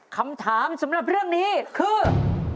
คำถามสำหรับเรื่องนี้คือ